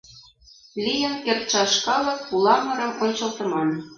Лийын кертшаш калык пуламырым ончылтыман!»